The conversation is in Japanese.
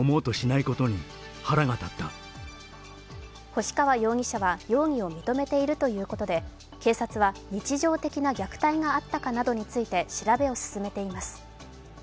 星川容疑者は容疑を認めているということで警察は日常的な虐待があったかなどについて調べを進めています。